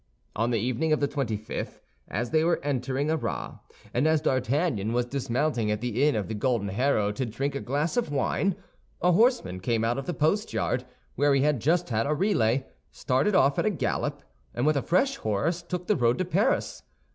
On the evening of the twenty fifth, as they were entering Arras, and as D'Artagnan was dismounting at the inn of the Golden Harrow to drink a glass of wine, a horseman came out of the post yard, where he had just had a relay, started off at a gallop, and with a fresh horse took the road to Paris.